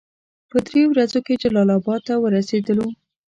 په دریو ورځو کې جلال اباد ته ورسېدلو.